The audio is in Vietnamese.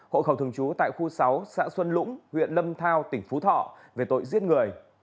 hội khẩu thường chú tài khu sáu xã xuân lũng huyện lâm thao tỉnh phú thọ về tội giết người